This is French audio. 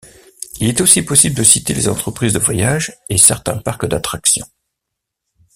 Il est aussi possible de citer les entreprises de voyage et certains parcs d’attractions.